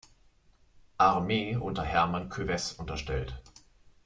Armee unter Hermann Kövess unterstellt.